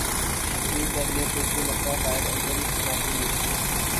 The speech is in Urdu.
حبیب بینک نے تیسری مرتبہ قائد اعظم ٹرافی جیت لی